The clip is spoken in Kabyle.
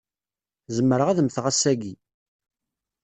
Zemreɣ ad mmteɣ ass-agi.